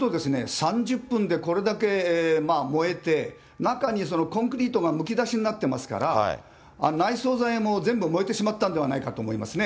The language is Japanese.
３０分でこれだけ燃えて、中にコンクリートがむき出しになってますから、内装材も全部燃えてしまったんではないかと思いますね。